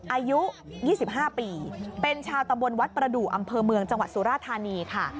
อายุ๒๕ปีเป็นชาวตำบลวัดประดูกอำเภอเมืองจังหวัดสุราธานีค่ะ